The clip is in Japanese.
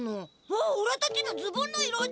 あっおらたちのズボンのいろだ。